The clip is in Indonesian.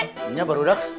ini apa rudaks